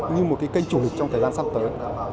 như một kênh chủ trong thời gian sắp tới